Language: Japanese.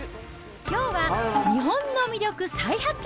きょうは、日本の魅力再発見